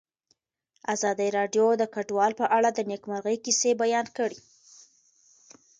ازادي راډیو د کډوال په اړه د نېکمرغۍ کیسې بیان کړې.